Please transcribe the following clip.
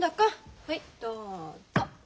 はいどうぞ。